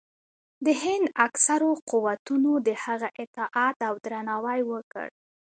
د هند اکثرو قوتونو د هغه اطاعت او درناوی وکړ.